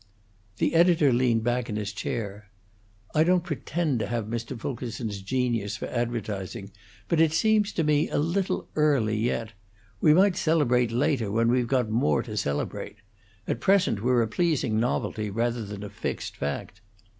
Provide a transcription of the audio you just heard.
The editor leaned back in his chair. "I don't pretend to have Mr. Fulkerson's genius for advertising; but it seems to me a little early yet. We might celebrate later when we've got more to celebrate. At present we're a pleasing novelty, rather than a fixed fact."